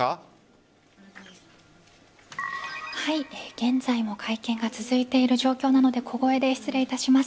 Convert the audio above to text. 現在も会見が続いている状況なので小声で失礼いたします。